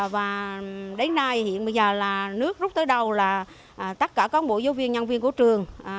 và đến nay hiện bây giờ là nước rút tới đầu là tất cả con bộ giáo viên nhân viên của trường